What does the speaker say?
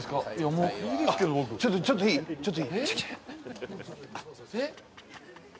もういいですけど僕ちょっといいちょっといい？来て来てえっ？